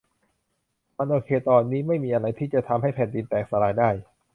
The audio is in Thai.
มันโอเคตอนนี้ ไม่มีอะไรที่จะทำให้แผ่นดินแตกสลายได้